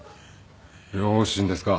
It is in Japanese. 両親ですか。